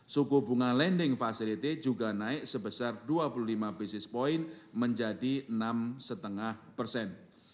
suku bunga lending facility juga naik sebesar dua puluh lima basis point menjadi enam lima persen